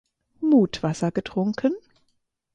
Mutwasser getrunken?